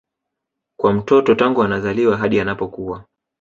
kwa mtoto tangu anazaliwa hadi anapokua